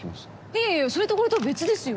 いやいやそれとこれとは別ですよ。